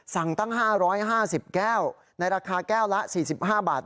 สั่งตั้ง๕๕๐แก้วในราคาแก้วละ๔๕บาท